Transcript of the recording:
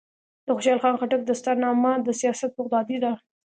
د خوشحال خان خټک دستارنامه د سیاست بغدادي ده.